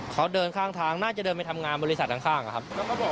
เขาเดินข้างทางน่าจะเดินไปทำงานบริษัทข้างครับ